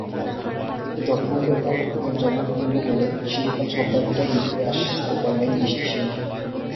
এতে ডর্টমুন্ডের দাপট যেমন ক্ষুণ্ন করলেন, শিরোপার ঝলকানিটাও নিয়ে আসতে পারলেন দৃষ্টিসীমায়।